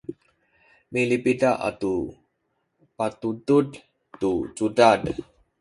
milipida atu patudud tu cudad